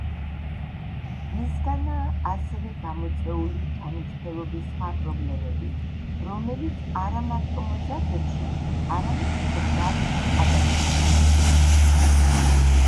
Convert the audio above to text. მისგანაა ასევე გამოწვეული ჯანმრთელობის სხვა პრობლემები, რომელიც არამარტო მოზარდებში, არამედ ზრდასრულ ადამიანებშიც შეინიშნება.